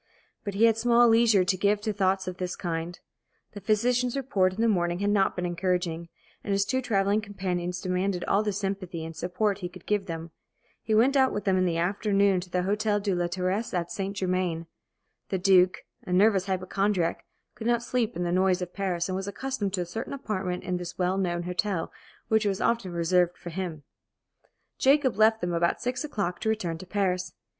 But he had small leisure to give to thoughts of this kind. The physician's report in the morning had not been encouraging, and his two travelling companions demanded all the sympathy and support he could give them. He went out with them in the afternoon to the Hôtel de la Terrasse at St. Germain. The Duke, a nervous hypochondriac, could not sleep in the noise of Paris, and was accustomed to a certain apartment in this well known hotel, which was often reserved for him. Jacob left them about six o'clock to return to Paris.